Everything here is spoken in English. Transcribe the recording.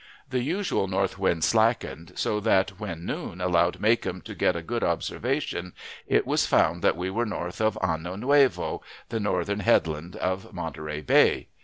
The usual north wind slackened, so that when noon allowed Macomb to get a good observation, it was found that we were north of Ano Nuevo, the northern headland of Monterey Bay.